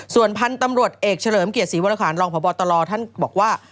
ส่วนพันธุ์ตำรวจเอกเฉลิมเกียรติศรีวรคารรองพบตลท่านบอกว่า